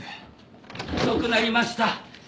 遅くなりました。